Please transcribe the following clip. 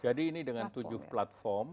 jadi ini dengan tujuh platform